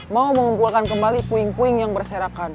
mau mengumpulkan kembali puing puing yang berserakan